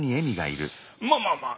まあまあまあ！